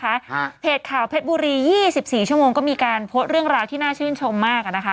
ฮะเพจข่าวเพชรบุรียี่สิบสี่ชั่วโมงก็มีการโพสต์เรื่องราวที่น่าชื่นชมมากอ่ะนะคะ